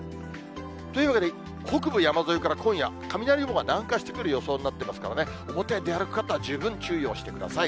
というわけで、北部山沿いから今夜、雷雲が南下してくる予報になってますからね、表出歩く方は十分注意をしてください。